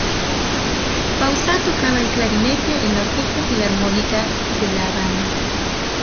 Bauzá tocaba el clarinete en la Orquesta Filarmónica de La Habana.